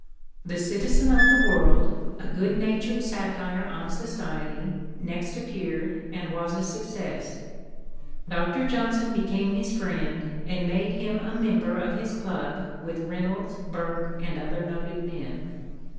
"The Citizen of the World," a good natured satire on society, next appeared, and was a success. Dr. Johnson became his friend, and made him a member of his club with Reynolds, Burke, and other noted men.